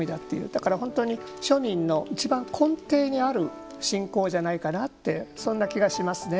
だから本当に庶民のいちばん根底にある信仰じゃないかなってそんな気がしますね。